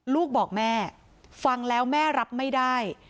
ลูกบอกแม่ฟังแล้วแม่รับไม่ได้